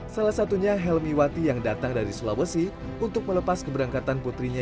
salah satunya helmiwati yang datang dari sulawesi untuk melepas keberangkatan putrinya